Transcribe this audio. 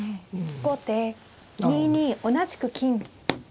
後手２二同じく金。